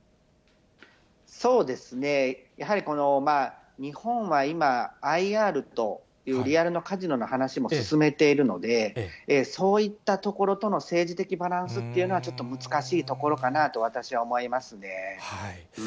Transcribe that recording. そうですね、やはりこの日本は今、ＩＲというリアルのカジノの話も進めているので、そういったところとの政治的バランスというのはちょっと難しいところかなと、私は思いますね。